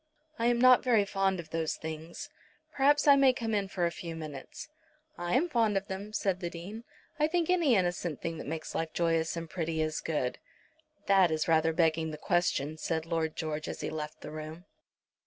"I am not very fond of those things. Perhaps I may come in for a few minutes." "I am fond of them," said the Dean. "I think any innocent thing that makes life joyous and pretty is good." "That is rather begging the question," said Lord George, as he left the room.